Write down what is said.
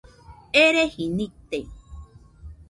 Ereji nite